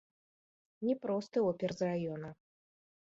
Не просты опер з раёна.